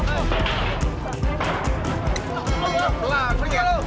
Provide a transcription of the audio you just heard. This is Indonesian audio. saya kejar kamu pak